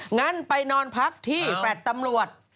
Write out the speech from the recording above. งั้นไปนอนพักที่แฟลต์ตำรวจ